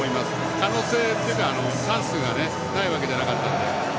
可能性というかチャンスがないわけじゃなかったので。